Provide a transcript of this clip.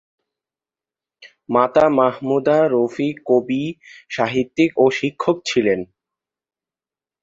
মাতা মাহমুদা রফিক কবি, সাহিত্যিক ও শিক্ষক ছিলেন।